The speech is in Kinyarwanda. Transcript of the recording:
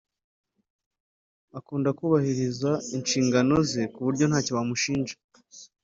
Akunda kubahiriza inshingano ze ku buryo ntacyo wamushinja